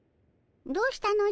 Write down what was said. どうしたのじゃ？